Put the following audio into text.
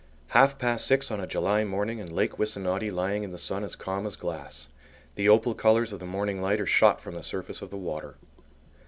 Half past six on a July morning, and Lake Wissanotti lying in the sun as calm as glass. The opal colours of the morning light are shot from the surface of the water.